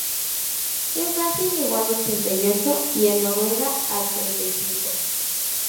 En Francia llegó al ochenta y ocho y en Noruega al treinta y cinco.